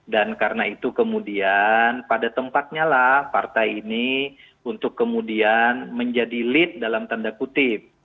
dan karena itu kemudian pada tempatnya lah partai ini untuk kemudian menjadi lead dalam tanda kutip